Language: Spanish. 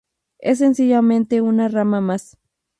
Es sencillamente una rama más.